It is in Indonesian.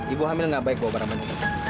ibu hamil nggak baik buat orang orang